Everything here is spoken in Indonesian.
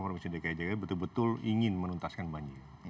pemerintah dki jaga betul betul ingin menuntaskan banjir